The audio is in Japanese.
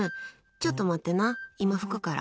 ちょっと待ってな、今拭くから。